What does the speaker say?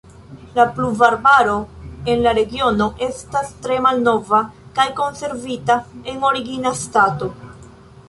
La pluvarbaro de la regiono estas tre malnova kaj konservita en origina stato.